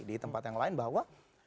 di tempat yang lain bahwa